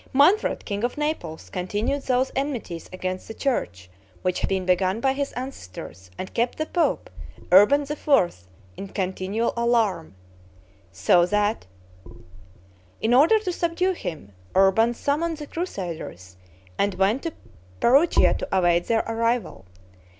Manfred, king of Naples, continued those enmities against the church which had been begun by his ancestors, and kept the pope, Urban IV., in continual alarm; so that, in order to subdue him, Urban summoned the crusaders, and went to Perugia to await their arrival.